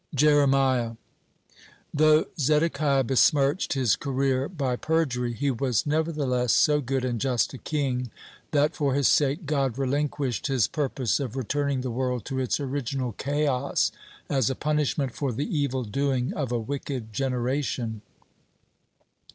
(8) JEREMIAH Though Zedekiah besmirched his career by perjury, he was nevertheless so good and just a king that for his sake God relinquished his purpose of returning the world to its original chaos, as a punishment for the evil doing of a wicked generation.